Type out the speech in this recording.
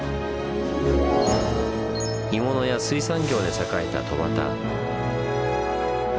鋳物や水産業で栄えた戸畑。